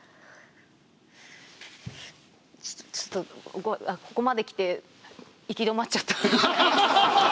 ちょっとここまできて行き止まっちゃった。